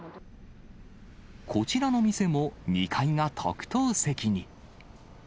こちらの店も、２階が特等席に。